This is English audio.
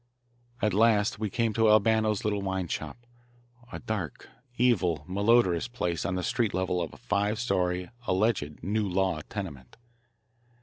At last we came to Albano's little wine shop, a dark, evil, malodorous place on the street level of a five story, alleged "new law" tenement.